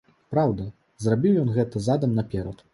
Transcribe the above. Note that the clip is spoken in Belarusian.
Праўда, зрабіў ён гэта задам наперад!